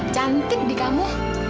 cantik di kamu